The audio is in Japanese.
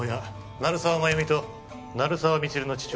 鳴沢麻由美と鳴沢未知留の父親